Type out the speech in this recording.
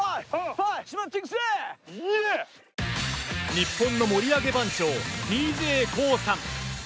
日本の盛り上げ番長ＤＪＫＯＯさん。